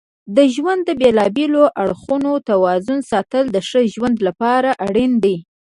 د ژوند د بیلابیلو اړخونو توازن ساتل د ښه ژوند لپاره اړین دي.